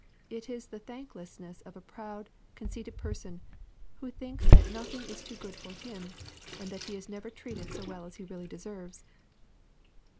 It is the thanklessness of a proud, conceited per son, who thinks that nothing is too good for him, and that he is never treated so well as he really deserves.